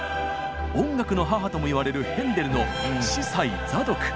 「音楽の母」ともいわれるヘンデルの「司祭ザドク」。